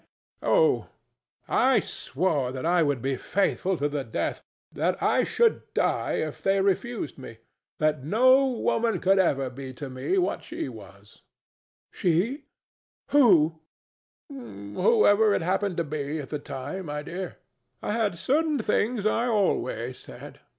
Oh, I swore that I would be faithful to the death; that I should die if they refused me; that no woman could ever be to me what she was ANA. She? Who? THE STATUE. Whoever it happened to be at the time, my dear. I had certain things I always said.